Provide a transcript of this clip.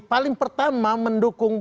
paling pertama mendukung